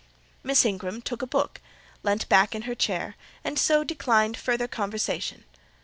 Miss Ingram took a book, leant back in her chair, and so declined further conversation.